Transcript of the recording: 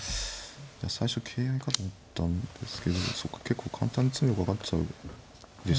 最初桂合いかと思ったんですけどそうか結構簡単に詰めろかかちゃうんですよね。